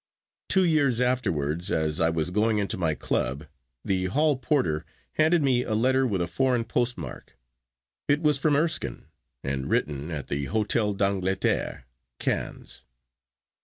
Two years afterwards, as I was going into my club, the hall porter handed me a letter with a foreign postmark. It was from Erskine, and written at the Hôtel d'Angleterre, Cannes.